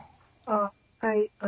あっはい。